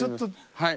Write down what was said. はい。